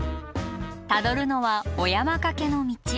たどるのは「お山かけ」の道。